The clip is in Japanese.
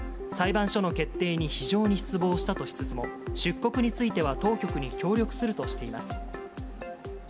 裁判所の決定に非常に失望したとしつつも、出国については当局に協力するとしています。